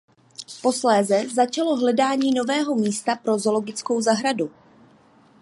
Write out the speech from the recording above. Posléze začalo hledání nového místa pro zoologickou zahradu.